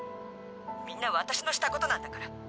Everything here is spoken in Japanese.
みんな私のしたことなんだから。